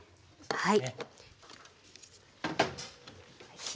はい。